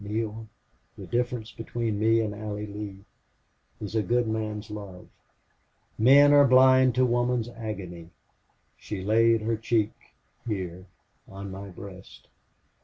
Neale, the difference between me and Allie Lee is a good man's love. Men are blind to woman's agony. She laid her cheek here on my breast.